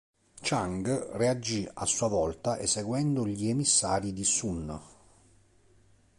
Chiang reagì a sua volta eseguendo gli emissari di Sun.